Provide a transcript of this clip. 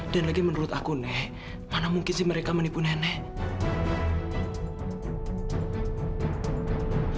dan lagi menurut aku mana mungkin mereka menipu nenek